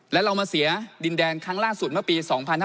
และเรามาเสียดินแดนครั้งล่าสุดเมื่อปี๒๕๕๙